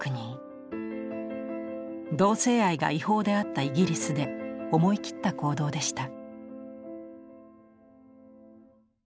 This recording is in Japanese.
同性愛が違法であったイギリスで思い切った行動でした。